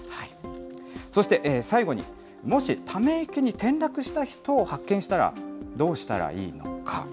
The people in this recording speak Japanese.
そして最後に、もしため池に転落した人を発見したら、どうしたらいいのか。